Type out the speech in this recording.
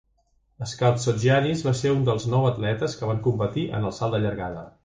Skaltsogiannis va ser un dels nou atletes que van competir en el salt de llargada.